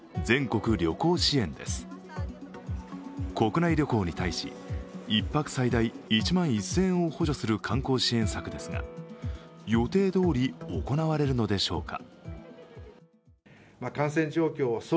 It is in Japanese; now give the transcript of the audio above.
国内旅行に対し、１泊最大１万１０００円を補助する観光支援策ですが予定どおり行われるのでしょうか。